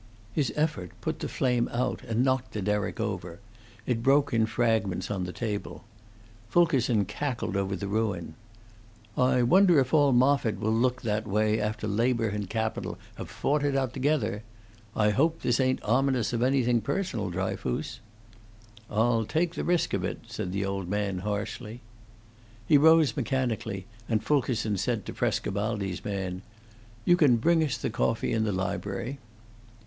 His effort put the flame out and knocked the derrick over; it broke in fragments on the table. Fulkerson cackled over the ruin: "I wonder if all Moffitt will look that way after labor and capital have fought it out together. I hope this ain't ominous of anything personal, Dryfoos?" "I'll take the risk of it," said the old man, harshly. He rose mechanically, and Fulkerson said to Frescobaldi's man, "You can bring us the coffee in the library."